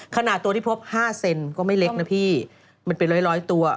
ขนาดตัวที่พบ๕เซนก็ไม่เล็กนะพี่มันเป็นร้อยตัว